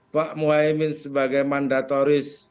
pak muhyiddin sebagai mandataris